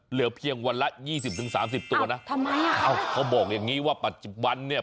เหลือเพียงวันละ๒๐๓๐ตัวนะอ้าวเขาบอกอย่างนี้ว่าปัจจุบันเนี่ย